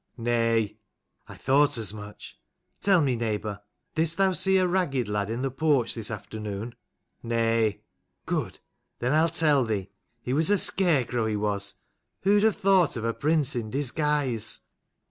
" "Nay." "I thought as much. Tell me, neighbour, didst thou see a ragged lad in the porch this afternoon ?" "Nay." "Good. Then I'll tell thee. He was a scarecrow, he was. Who'd have thought of a prince in disguise